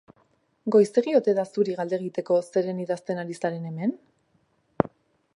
Goizegi ote da zuri galdegiteko zeren idazten ari zaren hemen?